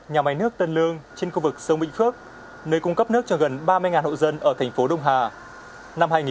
nhà máy nước tân lương trên khu vực sông vĩnh phước nơi cung cấp nước cho gần ba mươi hộ dân ở thành phố đông hà